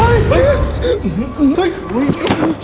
นูนิท